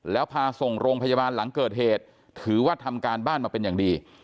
แล้วพาส่งโรงพยาบาลหลังเกิดเหตุถือว่าทำการบ้านมาเป็นอย่างดี